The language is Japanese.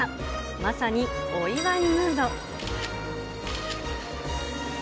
まさにお祝いムード。